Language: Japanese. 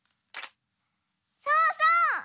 そうそう！